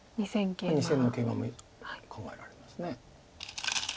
２線のケイマも考えられます。